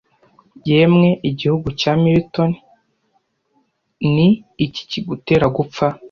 Yemwe gihugu cya Milton, ni iki kigutera gupfa?